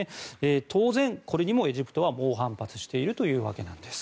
当然、これにもエジプトは猛反発しているというわけなんです。